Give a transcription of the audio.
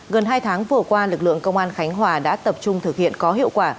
gần hai tháng vừa qua lực lượng công an khánh hòa đã tập trung thực hiện có hiệu quả